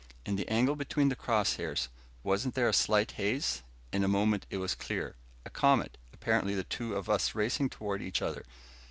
In the angle between the cross hairs, wasn't there a slight haze? In a moment it was clear. A comet, apparently, the two of us racing toward each other.